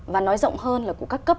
và nói rộng hơn là của các cấp